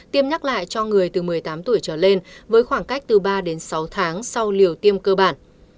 tiêm nhắc lại cho người từ một mươi tám tuổi trở lên với khoảng cách từ ba đến sáu tháng sau liều tiêm cơ bản